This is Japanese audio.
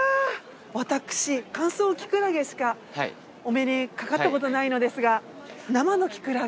私乾燥キクラゲしかお目にかかったことないのですが。